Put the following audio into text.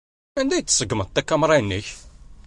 Anda ay d-tṣeggmeḍ takamra-nnek?